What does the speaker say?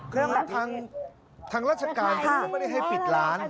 คือทางราชการเขาก็ไม่ได้ให้ปิดร้าน